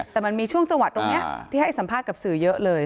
แต่มันมีช่วงจังหวัดตรงนี้ที่ให้สัมภาษณ์กับสื่อเยอะเลย